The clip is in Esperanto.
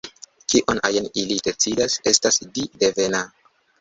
Kion ajn ili decidas, estas di-devena.